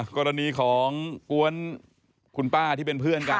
กรณีของกวนคุณป้าที่เป็นเพื่อนกัน